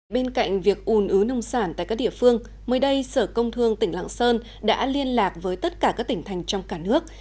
bên cạnh việc ùn ứ nông sản tại các địa phương mới đây sở công thương tỉnh lạng sơn đã liên lạc với tất cả các tỉnh thành trong cả nước